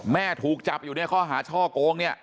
แม่ถูกจับอยู่ในข้อหาช่อโกงเนี่ย